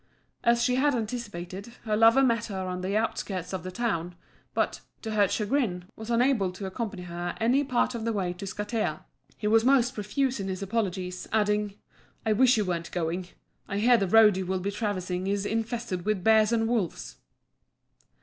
As she had anticipated, her lover met her on the outskirts of the town, but, to her chagrin, was unable to accompany her any part of the way to Skatea. He was most profuse in his apologies, adding, "I wish you weren't going; I hear the road you will be traversing is infested with bears and wolves."